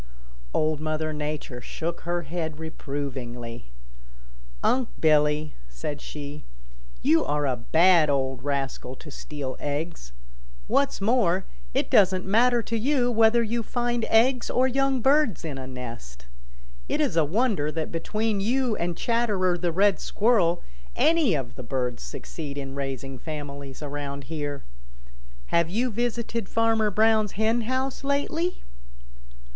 Old Mother Nature shook her head reprovingly. "Unc' Billy," said she, "you are a bad old rascal to steal eggs. What's more, it doesn't matter to you much whether you find eggs or young birds in a nest. It is a wonder that between you and Chatterer the Red Squirrel any of the birds succeed in raising families around here. Have you visited Farmer Brown's hen house lately?"